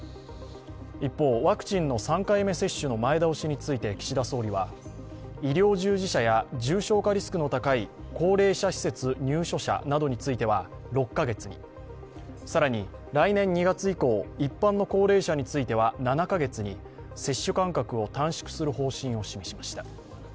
一方、ワクチンの３回目接種の前倒しについて岸田総理は医療従事者や重症化リスクの高い高齢者施設入所者については６カ月に更に来年２月以降、一般の高齢者については７カ月に、接種間隔を短縮する方針を示しました。